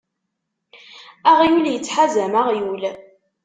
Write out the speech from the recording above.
Aɣyul ittḥazam aɣyul.